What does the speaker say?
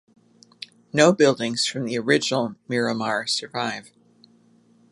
No buildings from the original Miramar survive.